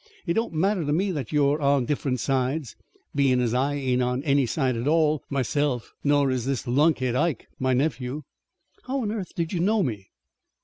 It don't matter to me that you're on different sides, bein' as I ain't on any side at all myself, nor is this lunkhead, Ike, my nephew." "How on earth did you know me?"